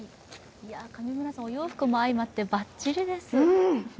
上村さん、お洋服も相まって、バッチリです。